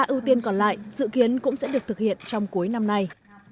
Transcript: ba ưu tiên còn lại dự kiến cũng sẽ được thực hiện trong cuối năm nay